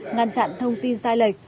ngăn chặn thông tin sai lệch